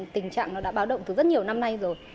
tình trạng nó đã báo động từ rất nhiều năm nay rồi